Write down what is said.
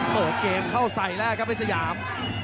โอ้โหเกมเข้าใส่แล้วครับเว้นเซยาม